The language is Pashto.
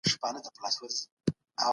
داسې خلک د رڼا منارونه دي.